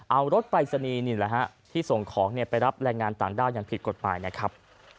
เอารถปลายสนีนิละฮะที่ส่งของไปรับแรงงานต่างด้านยังผิดกฎปลายนะครับ